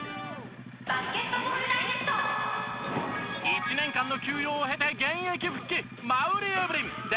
１年間の休養を経て現役復帰。